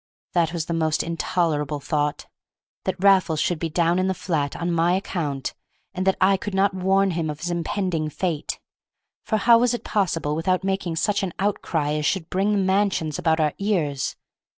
That was the most intolerable thought, that Raffles should be down in the flat on my account, and that I could not warn him of his impending fate; for how was it possible without making such an outcry as should bring the mansions about our ears?